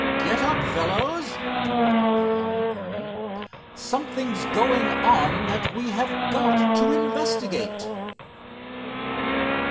"Get up, fellows," directed the young airman. "Something's going on that we have got to investigate."